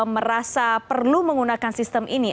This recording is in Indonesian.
merasa perlu menggunakan sistem ini